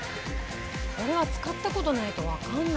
「これは使った事ないとわかんないかも」